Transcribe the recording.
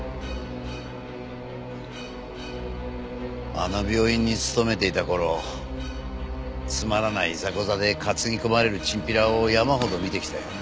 あの病院に勤めていた頃つまらないいざこざで担ぎ込まれるチンピラを山ほど見てきたよ。